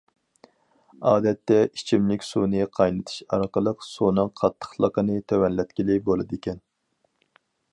ئادەتتە، ئىچىملىك سۇنى قاينىتىش ئارقىلىق سۇنىڭ قاتتىقلىقىنى تۆۋەنلەتكىلى بولىدىكەن.